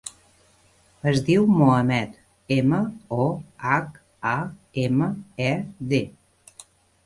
Es diu Mohamed: ema, o, hac, a, ema, e, de.